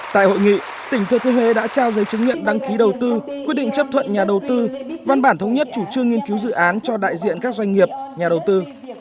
tại hội nghị tỉnh thừa thiên huế đã trao giấy chứng nhận đăng ký đầu tư quyết định chấp thuận nhà đầu tư văn bản thống nhất chủ trương nghiên cứu dự án cho đại diện các doanh nghiệp nhà đầu tư